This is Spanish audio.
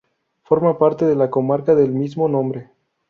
Forma parte de la comarca del mismo nombre.